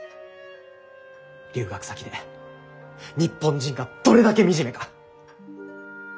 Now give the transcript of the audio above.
留学先で日本人がどれだけ惨めか！